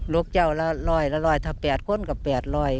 รกเจ้าละรอยถ้า๘คนก็๘รอย